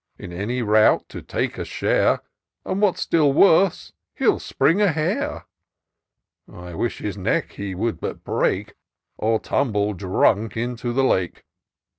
In any rout to take a share, And what's still worse, he'll springe a hare. I wish his neck he would but break, Or tumble drunk into the Lake